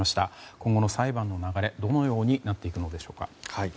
今後の裁判の流れ、どのようになっていくのでしょうか。